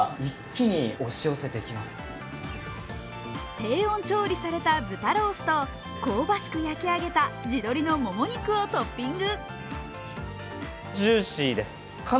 低温調理された豚ロースと香ばしく焼き上げた地鶏のもも肉をトッピング。